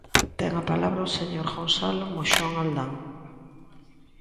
Ten a palabra o señor Gonzalo Moxón Aldán.